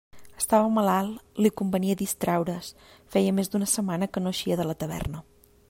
Estava malalt, li convenia distraure's, feia més d'una setmana que no eixia de la taverna.